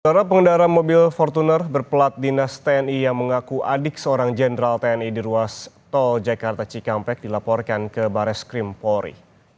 para pengendara mobil fortuner berpelat dinas tni yang mengaku adik seorang jenderal tni di ruas tol jakarta cikampek dilaporkan ke baris krim polri